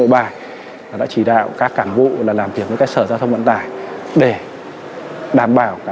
nội bài đã chỉ đạo các cảng vụ làm việc với các sở giao thông vận tải để đảm bảo